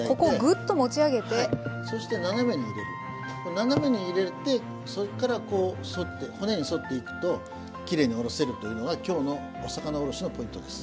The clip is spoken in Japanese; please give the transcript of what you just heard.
斜めに入れてそっからこう沿って骨に沿っていくときれいにおろせるというのが今日のお魚おろしのポイントです。